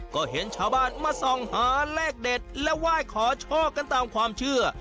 ก็เห็นชาวบ้านมาส่องหาเลขเด็ดและไหว้ขอโชคกันตามความเชื่อ